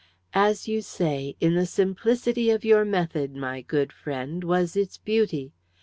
"As you say, in the simplicity of your method, my good friend, was its beauty.